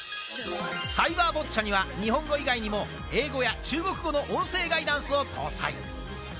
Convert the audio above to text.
サイバーボッチャには、日本語以外にも、英語や中国語の音声ガイダンスを搭載。